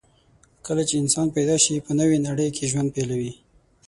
کله چې انسان پیدا شي، په نوې نړۍ کې ژوند پیلوي.